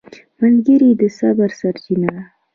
ملګری د صبر سرچینه ده